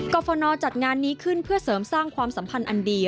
ฟนจัดงานนี้ขึ้นเพื่อเสริมสร้างความสัมพันธ์อันดี